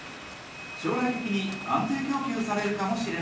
将来的に安定供給されるかもしれ